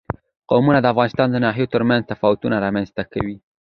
قومونه د افغانستان د ناحیو ترمنځ تفاوتونه رامنځ ته کوي.